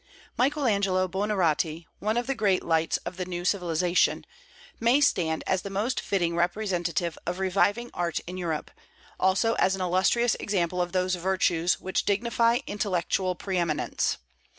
Michael Angelo Buonarroti one of the Great Lights of the new civilization may stand as the most fitting representative of reviving art in Europe; also as an illustrious example of those virtues which dignify intellectual pre eminence.